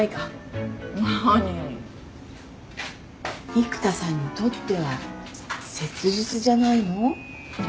育田さんにとっては切実じゃないの？